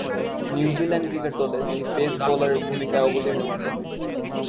New Zealand cricket দলে তিনি pace বোলারের ভূমিকায় অবতীর্ণ হতেন।